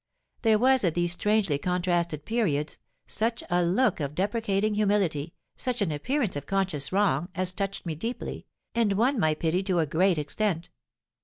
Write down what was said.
There was, at these strangely contrasted periods, such a look of deprecating humility, such an appearance of conscious wrong, as touched me deeply, and won my pity to a great extent.